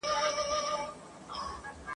له غيرته ډکه مېنه !.